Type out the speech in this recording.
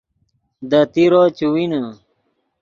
دے تیرو چے وینے